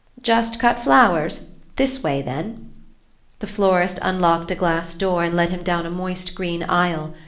"Just cut flowers? This way, then." The florist unlocked a glass door and led him down a moist green aisle.